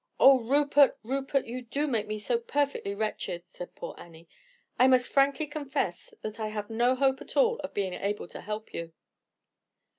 "Oh, Rupert! Rupert! you do make me so perfectly wretched," said poor Annie. "I must frankly confess that I have no hope at all of being able to help you."